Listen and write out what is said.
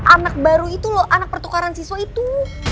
anak baru itu loh anak pertukaran siswa itu